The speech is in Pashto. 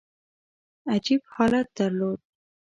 عجیب حالت درلود.